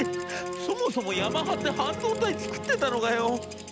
そもそもヤマハって半導体作ってたのかよ？』。